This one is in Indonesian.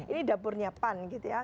ini dapurnya pan gitu ya